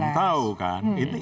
belum tahu kan